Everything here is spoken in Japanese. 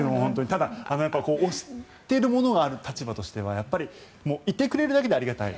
ただ、推しているものがある立場としてはいてくれるだけでありがたい